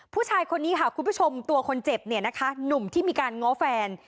ผู้ชายคนนี้ค่ะคุณผู้ชมตัวคนเจ็บเนี่ยนะคะหนุ่มที่มีการง้อแฟน